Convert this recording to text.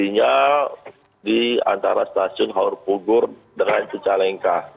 jadinya di antara stasiun haur pugur dengan cicalengka